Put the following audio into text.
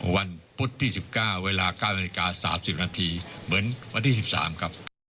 วันพุธที่๑๙เวลา๙นาฬิกา๓๐นาทีเหมือนวันที่๑๓ครับ